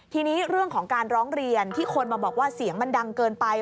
ทีนี้เรื่องของการร้องเรียนที่คนมาบอกว่าเสียงมันดังเกินไป